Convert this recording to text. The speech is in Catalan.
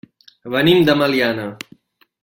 Venim de Meliana.